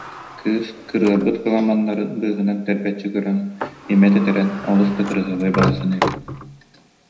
Кыыс кырыарбыт кыламаннарын быыһынан тэрбэччи көрөн, имэ тэтэрэн олус да кыраһыабай барахсан эбит